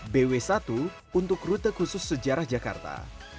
bw satu untuk rute khusus sejarah jakarta